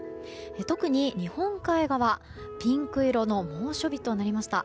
特に日本海側ピンク色の猛暑日となりました。